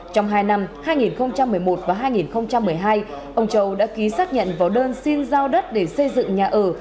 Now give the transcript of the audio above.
trong hai năm hai nghìn một mươi một và hai nghìn một mươi hai ông châu đã ký xác nhận vào đơn xin giao đất để xây dựng nhà ở